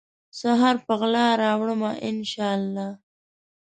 سحر په غلا راوړمه ، ان شا الله